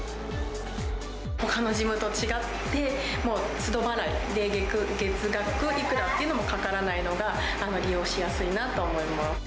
ほかのジムと違って、もう、つど払い、月額いくらっていうのもかからないのが利用しやすいなと思います。